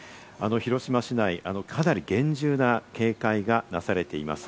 広島市内、かなり厳重な警戒がなされています。